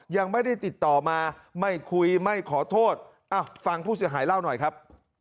ยังไม่ได้ติดต่อมาไม่คุยไม่ขอโทษฟังผู้เสียหายเล่าหน่อยครับ